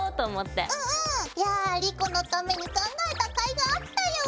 や莉子のために考えたかいがあったよ！